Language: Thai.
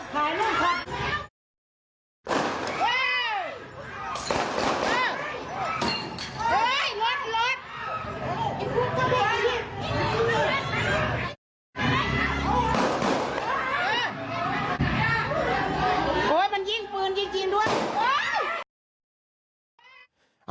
วะมันยิงปืนยิงจีนด้วย